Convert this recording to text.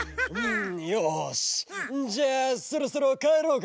・んよしじゃあそろそろかえろうか！